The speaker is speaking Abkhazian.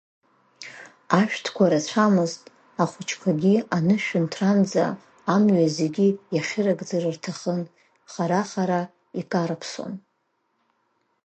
Ашәҭқәа рацәамызт, ахәыҷқәагьы анышәынҭранӡа амҩа зегьы иахьырыгӡар рҭахын, хара-хара икарԥсон.